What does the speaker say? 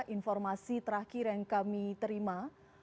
informasi terakhir yang kami terima